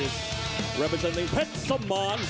สายฟ้าสสลาวุธครับนักชกตัวแทนจากประเทศไทย